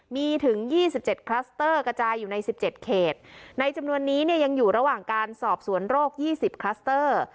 มีถึงยี่สิบเจ็ดคลัสเตอร์กระจายอยู่ในสิบเจ็ดเขตในจำนวนนี้เนี่ยยังอยู่ระหว่างการสอบสวนโรคยี่สิบคลัสเตอร์